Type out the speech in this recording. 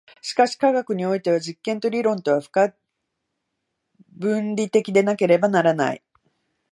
しかし科学においては実験と理論とは不可分離的でなければならない。